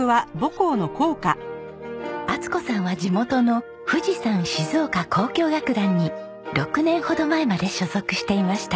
充子さんは地元の富士山静岡交響楽団に６年ほど前まで所属していました。